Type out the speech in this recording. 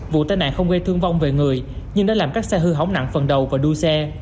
vụ tai nạn không gây thương vong về người nhưng đã làm các xe hư hỏng nặng phần đầu và đuôi xe